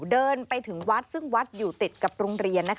เดินไปถึงวัดซึ่งวัดอยู่ติดกับโรงเรียน